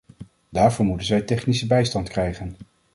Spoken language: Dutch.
Daarvoor moeten zij technische bijstand krijgen.